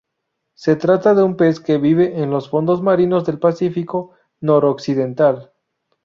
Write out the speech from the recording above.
Se trata de un pez que vive en los fondos marinos del Pacífico noroccidental.